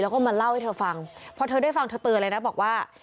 แล้วก็มาเล่าให้เธอฟังพอเธอได้ฟังเธอเตือนเลยนะบอกว่า